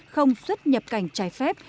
không xuất nhập cảnh trái phép